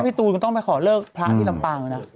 ตูนก็ต้องไปขอเลิกพระที่ลำปางนะ